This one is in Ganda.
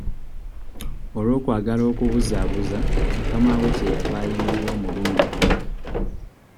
Olw'okwagala okubuzaabuza mukama we kye yava ayimirira omulundi gumu.